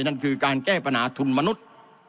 นั่นคือการแก้ปัญหาทุนมนุษย์